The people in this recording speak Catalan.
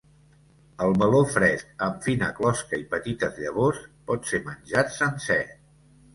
El meló fresc, amb fina closca i petites llavors, pot ser menjat sencer.